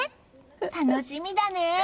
楽しみだね！